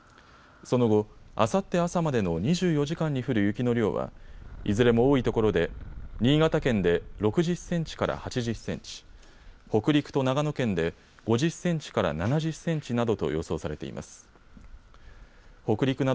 その後、あさって朝までの２４時間に降る雪の量はいずれも多いところで新潟県で６０センチから８０センチ、北陸と長野県で５０センチから７０センチなどと予想されています。